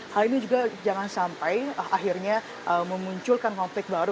hal ini juga jangan sampai akhirnya memunculkan konflik baru